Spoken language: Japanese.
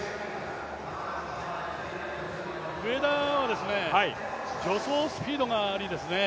上田は助走スピードがいいですね。